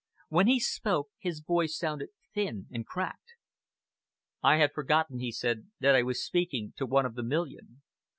When he spoke, his voice sounded thin and cracked. "I had forgotten," he said, "that I was speaking to one of the million.